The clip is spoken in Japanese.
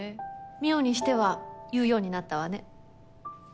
望緒にしては言うようになったわね。